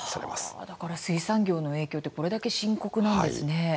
だから水産業の影響ってこれだけ深刻なんですね。